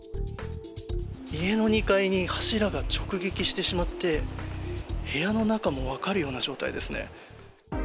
家の２階に柱が直撃してしまって部屋の中もわかるような状態ですね。